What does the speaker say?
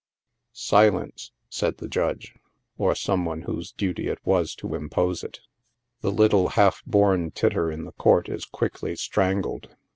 " Silence !" said the Judge, or some one whose duty it was to im pose it. The little half born titter in the court is quickly strangled.